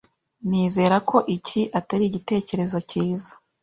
Nizera ko iki atari igitekerezo cyiza.